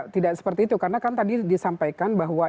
tidak seperti itu karena kan tadi disampaikan bahwa